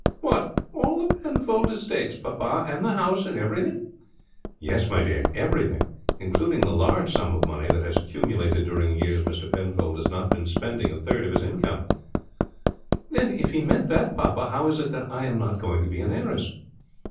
"What! all the Penfold estates, papa, and the house and everything?" "Yes, my dear. Everything, including the large sum of money that has accumulated during the years Mr. Penfold has not been spending a third of his income." "Then if he meant that, papa, how is it that I am not going to be an heiress?"